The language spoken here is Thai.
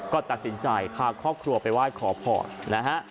ก็ตัดสินใจพาครอบครัวไปไหว้ขอพรนะฮะ